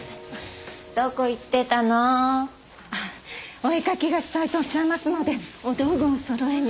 お絵描きがしたいとおっしゃいますのでお道具を揃えに。